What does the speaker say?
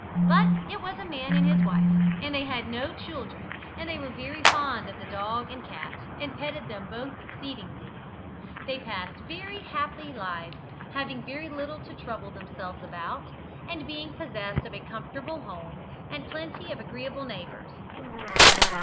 But it was a man and his wife, and they had no children, and they were very fond of the dog and cat, and petted them both exceedingly. They passed very happy lives, having very little to trouble themselves about, and being possessed of a comfortable home, and plenty of agreeable neighbours.